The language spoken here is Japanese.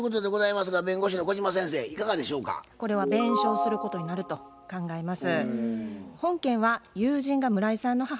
これは弁償することになると考えます。